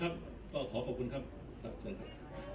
โปรดติดตามต่อไป